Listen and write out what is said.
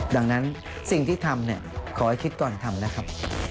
ดังนั้นสิ่งที่ทำขอให้คิดก่อนทำนะครับ